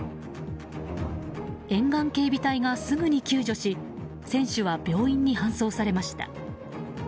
沿岸警備隊がすぐに救助し選手は病院に搬送されました。